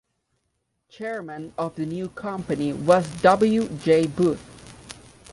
Chairman of the new company was W J Booth.